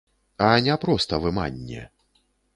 А не проста выманне!